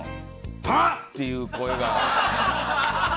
はっていう声が。